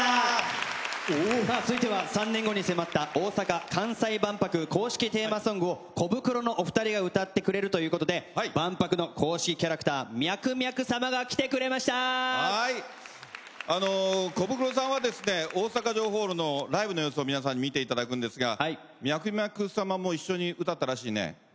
続いては３年後に迫った大阪・関西万博公式テーマソングをコブクロのお二人が歌ってくれるということで万博の公式キャラクターミャクミャクさまがコブクロさんは大阪城ホールのライブの様子を皆さんに見ていただくんですがミャクミャクさまも一緒に歌ったらしいね。